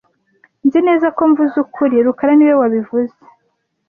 Nzi neza ko mvuze ukuri rukara niwe wabivuze